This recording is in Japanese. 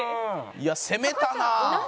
いや攻めたなあ！